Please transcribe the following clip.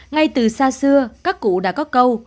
ngay từ xa xưa các cụ đã có câu